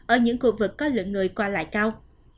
ở những khu vực có lượng người qua lại cao